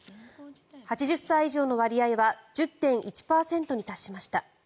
８０歳以上の割合は１０．１％に達しました。